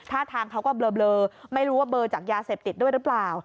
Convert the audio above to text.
ท่าทางเขาก็เบลอไม่รู้ว่าเบลอจากยาเสพติดด้วยหรือเปล่า